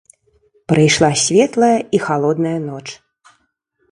Прыйшла светлая і халодная ноч.